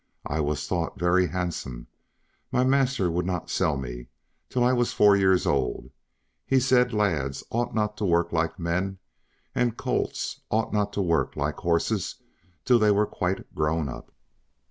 I was thought very handsome; my master would not sell me till I was four years old; he said lads ought not to work like men, and colts ought not to work like horses till they were quite grown up.